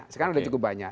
sekarang sudah cukup banyak